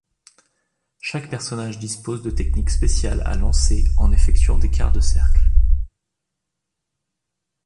Chaque personnage dispose de techniques spéciales à lancer, en effectuant des quarts de cercles.